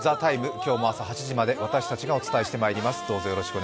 今日も朝８時まで私たちがお伝えします。